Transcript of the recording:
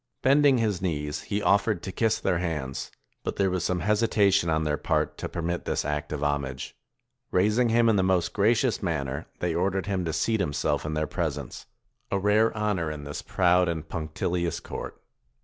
Bending his knees, he offered to kiss their hands; but there was some hesitation on their part to permit this act of homage. Raising him in the most gracious man ner, they ordered him to seat himself in their presence; a rare honor in this proud and punctilious court.